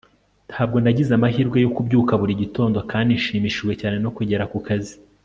ntabwo nagize amahirwe yo kubyuka buri gitondo kandi nshimishijwe cyane no kugera ku kazi